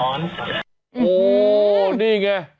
โอ๊ะนี่ไง